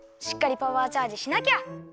しっかりパワーチャージしなきゃ。